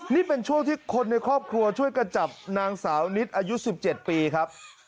นี่เป็นช่วงที่คนในครอบครัวช่วยกันจับนางสาวนิดอายุ๑๗ปีครับ